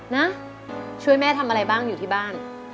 นะช่วยแม่ทำอะไรบ้างอยู่ที่บ้าน